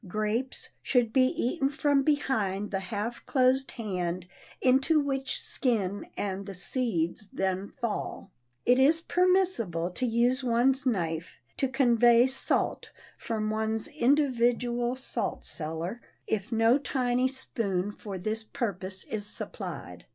Grapes should be eaten from behind the half closed hand into which skin and the seeds then fall. It is permissible to use one's knife to convey salt from one's individual salt cellar, if no tiny spoon for this purpose is supplied.